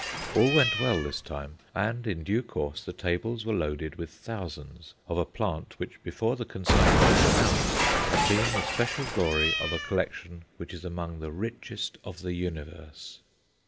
All went well this time, and in due course the tables were loaded with thousands of a plant which, before the consignment was announced, had been the special glory of a collection which is among the richest of the universe.